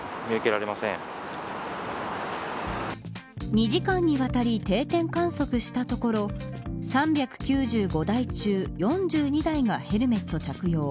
２時間にわたり定点観測したところ３９５台中４２台がヘルメット着用。